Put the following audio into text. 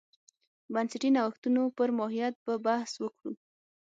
بنسټي نوښتونو پر ماهیت به بحث وکړو.